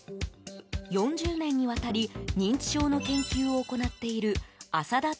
４０年にわたり認知症の研究を行っている朝田隆